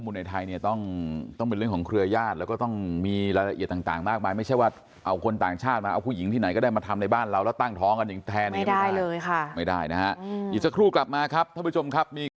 แล้วก็ชอบโกงเข้าไปหลายพันล้านนะครับแต่อันนี้ก็เป็นข้อมูลนะครับ